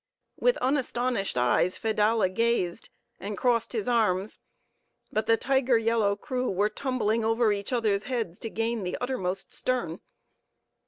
With unastonished eyes Fedallah gazed, and crossed his arms; but the tiger yellow crew were tumbling over each other's heads to gain the uttermost stern.